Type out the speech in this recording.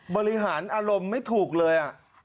บริหารอารมณ์ไม่ถูกเลย